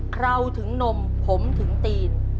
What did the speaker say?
เราถึงนมผมถึงตีน